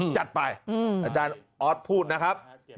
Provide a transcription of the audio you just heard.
จัดไปอาจารย์ออสพูดนะครับ